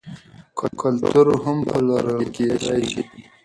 کلتور هم پلورل کیدی شي.